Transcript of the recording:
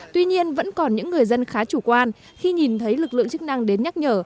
tuy nhiên vẫn còn những người dân khá chủ quan khi nhìn thấy lực lượng chức năng đến nhắc nhở